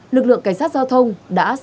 lực lượng cảnh sát giao thông dừng xe